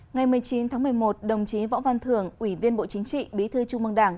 ngày một mươi chín tháng một mươi một đồng chí võ văn thưởng ủy viên bộ chính trị bí thư trung mương đảng